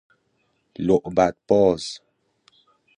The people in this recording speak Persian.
لعبت باز